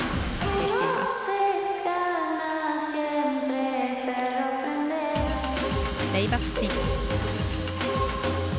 レイバックスピン。